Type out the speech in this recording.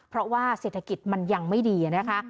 เพราะว่าเศรษฐกิจมันยังไม่ดีนะคะ